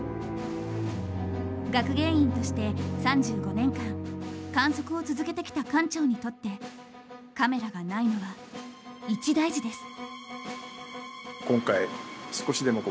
学芸員として３５年間観測を続けてきた館長にとってカメラがないのは一大事です。